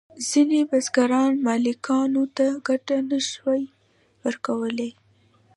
ځینې بزګران مالکانو ته ګټه نشوای ورکولی.